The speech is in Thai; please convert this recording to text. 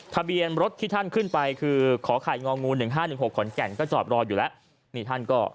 ทะเบียนรถที่ท่านขึ้นไปคือขอข่ายง๑๕๑๖ขนแห่งก็จอบรออยู่ละ